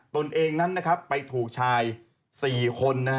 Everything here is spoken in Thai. ตนเองนั้นไปถูกชาย๔คน